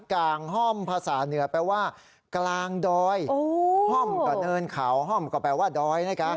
กลางห้อมภาษาเหนือแปลว่ากลางดอยห้อมก็เนินเขาห้อมก็แปลว่าดอยนะคะ